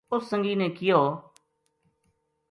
اُس سنگی نے کہیو